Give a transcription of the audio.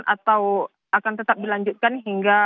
atau akan tetap dilanjutkan hingga